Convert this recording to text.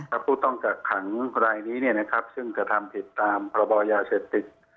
ผู้ต้องกักขังรายนี้ซึ่งกระทำผิดตามพยเชษฐิกย์